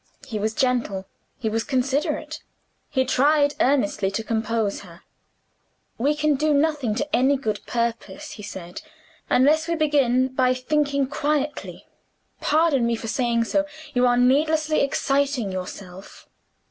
He was gentle, he was considerate; he tried earnestly to compose her. "We can do nothing to any good purpose," he said, "unless we begin by thinking quietly. Pardon me for saying so you are needlessly exciting yourself."